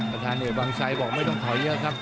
ประธานเอกวังชัยบอกไม่ต้องถอยเยอะครับ